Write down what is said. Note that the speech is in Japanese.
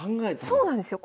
そうなんですよ。